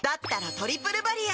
「トリプルバリア」